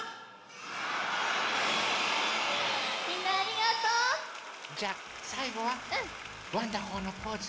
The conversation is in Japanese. みんなありがとう！じゃさいごはワンダホーのポーズ。